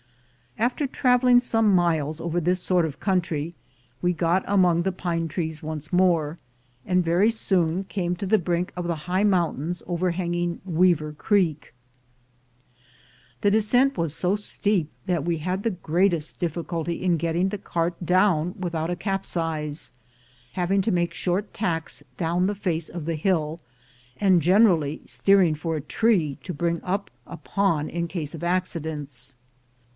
After traveling some miles over this sort of country, INDIANS AND CHINAMEN 141 we got among the pine trees once more, and very soon came to the brink of the high mountains overhanging Weaver Creek, The descent was so steep that we had the greatest difficulty in getting the cart down without a capsize, having to make short tacks down the face of the hill, and generally steering for a tree to bring up upon in case of accidents.